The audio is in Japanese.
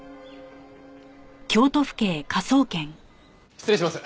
失礼します。